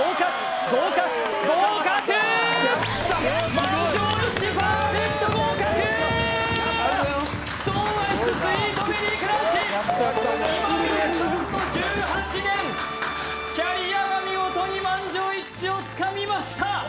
今宮さんの１８年キャリアが見事に満場一致をつかみました！